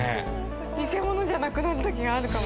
偽物じゃなくなる時があるかも。